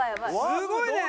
すごいね！